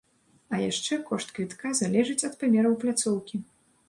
А яшчэ кошт квітка залежыць ад памераў пляцоўкі!